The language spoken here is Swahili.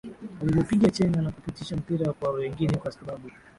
Alivyopiga chenga na kupitisha mpira kwa wengine kwasababu